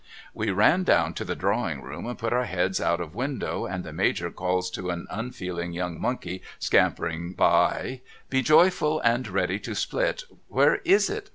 We ran down to the drawing room and put our heads out of window, and the Major calls to an unfeeling young monkey, scampering by be joyful and ready to split ' Where is it